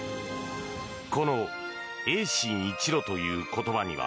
この泳心一路という言葉には